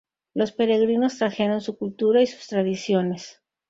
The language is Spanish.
Los peregrinos trajeron su cultura y sus tradiciones.